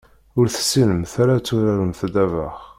Ur tessinemt ara ad turaremt ddabex.